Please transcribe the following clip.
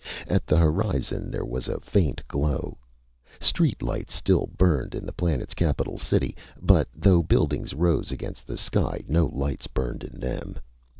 At the horizon there was a faint glow. Street lights still burned in the planet's capitol city, but though buildings rose against the sky no lights burned in them.